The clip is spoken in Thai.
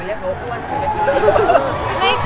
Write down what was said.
มีใครพบติดไหมคะ